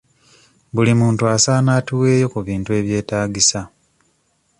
Buli muntu asaana atuweeyo ku bintu ebyetaagisa.